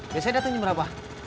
biasanya datang jam berapa